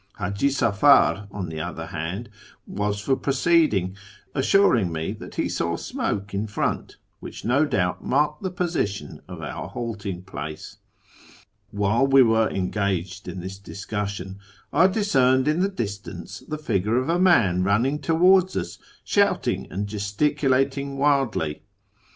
Haji Safar, on the other hand, was for proceeding, assuring me that he saw smoke in front, which no doubt marked the position of our halting place. While we were engaged in this discussion, I discerned in the distance the figure of a man running towards us, shouting and gesticulating wildly.